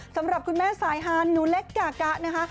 สำหรับคุณแม่สายฮานหนูเล็กกากะนะคะ